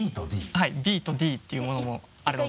はい「Ｂ」と「Ｄ」というものもあるので。